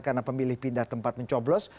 karena pemilih pindah tempat mencoblos